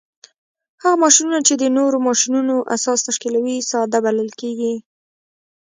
هغه ماشینونه چې د نورو ماشینونو اساس تشکیلوي ساده بلل کیږي.